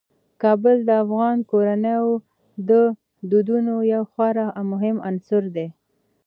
کابل د افغان کورنیو د دودونو یو خورا مهم عنصر دی.